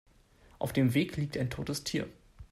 Auf dem Weg liegt ein totes Tier.